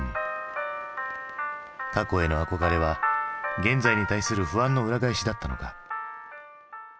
過去への憧れは現在に対する不安の裏返しだったのか。